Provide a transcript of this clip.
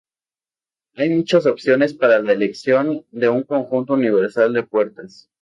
Hay muchas opciones para la elección de un conjunto universal de puertas.